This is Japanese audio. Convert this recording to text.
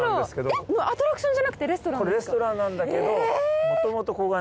えっアトラクションじゃなくてレストランですか？